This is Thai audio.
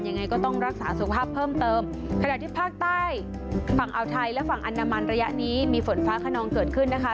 ยังไงก็ต้องรักษาสุขภาพเพิ่มเติมขณะที่ภาคใต้ฝั่งอ่าวไทยและฝั่งอันดามันระยะนี้มีฝนฟ้าขนองเกิดขึ้นนะคะ